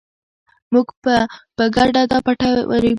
موږ به په ګډه دا پټی ورېبو.